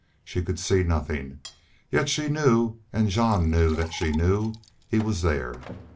She could see nothing, yet she knew and Jean knew that she knew he was there.